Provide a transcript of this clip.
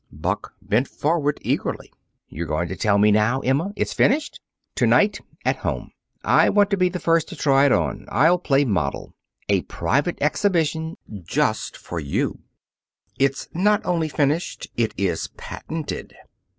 Buck bent forward, eagerly. "You're going to tell me now, Emma? It's finished?" "To night at home. I want to be the first to try it on. I'll play model. A private exhibition, just for you. It's not only finished; it is patented."